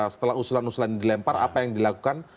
setelah usulan usulan dilempar apa yang dilakukan